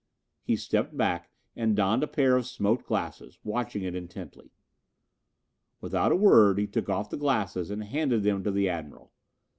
He stepped back and donned a pair of smoked glasses, watching it intently. Without a word he took off the glasses and handed them to the Admiral.